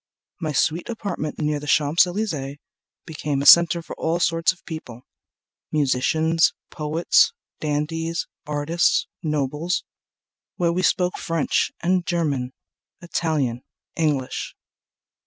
My sweet apartment near the Champs Elysees Became a center for all sorts of people, Musicians, poets, dandies, artists, nobles, Where we spoke French and German, Italian, English.